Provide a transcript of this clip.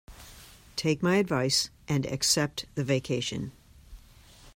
Take my advice and accept the vacation.